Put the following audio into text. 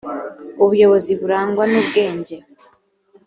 ubuyobozi burangwa n ubwenge